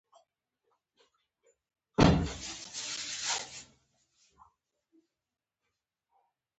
دا واک د دولت مامور ته ورکړل شوی دی.